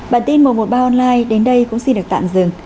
bản tin một trăm một mươi ba online đến đây cũng xin được tạm dừng